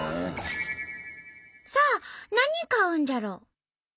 さあ何買うんじゃろ？